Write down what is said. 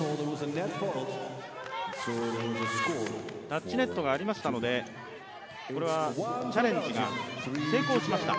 タッチネットがありましたので、これはチャレンジが成功しました。